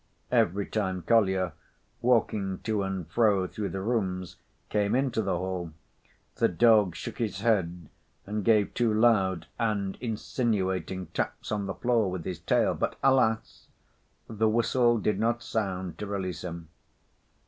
Every time Kolya, walking to and fro through the rooms, came into the hall, the dog shook his head and gave two loud and insinuating taps on the floor with his tail, but alas! the whistle did not sound to release him.